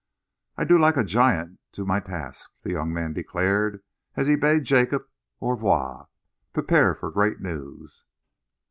"I go like a giant to my task," the young man declared, as he bade Jacob au revoir. "Prepare for great news."...